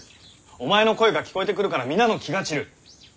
お前の声が聞こえてくるから皆の気が散る。